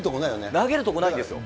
投げるとこないよね。